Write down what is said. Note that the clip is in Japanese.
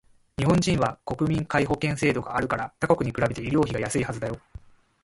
日本人は国民皆保険制度があるから他国に比べて医療費がやすいはずだよ